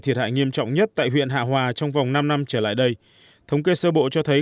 thiệt hại nghiêm trọng nhất tại huyện hạ hòa trong vòng năm năm trở lại đây thống kê sơ bộ cho thấy